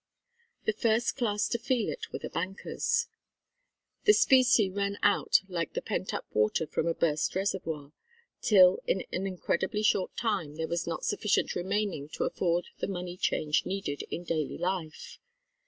The first class to feel it were the bankers. The specie ran out like the pent up water from a burst reservoir, till in an incredibly short time there was not sufficient remaining to afford the money change needed in daily life.